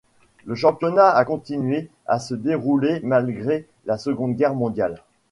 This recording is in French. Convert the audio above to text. Le championnat a continué à se dérouler malgré la Seconde Guerre mondiale.